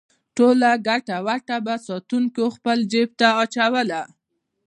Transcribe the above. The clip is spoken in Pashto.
ټوله ګټه وټه به ساتونکو خپل جېب ته اچوله.